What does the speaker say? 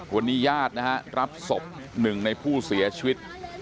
วันนี้ญาตินะฮะรับศพหนึ่งในผู้เสียชีวิต